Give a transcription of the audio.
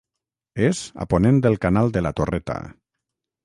És a ponent de la Canal de la Torreta.